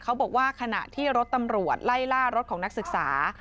เขาบอกว่าขณะที่รถตำรวจไล่ล่ารถของนักศึกษา